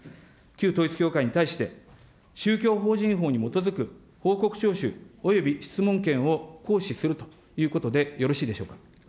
旧統一教会に対して、宗教法人法に基づく報告徴収、および質問権を行使するということでよろしいでしょうか。